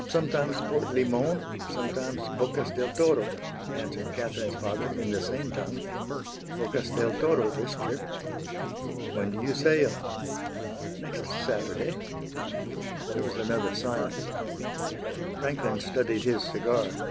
"Sometimes Port Limon; sometimes Bocas del Toro," answered Catherine's father, in the same tongue. "Bocas del Toro this trip." "When do you sail?" "Next Saturday." There was another silence. Franklin studied his cigar.